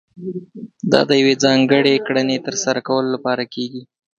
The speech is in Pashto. دا د يوې ځانګړې کړنې ترسره کولو لپاره کېږي.